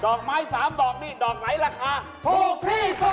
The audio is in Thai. ดอกไม้สามดอกนี่ดอกไหนราคาโภคพี่บอล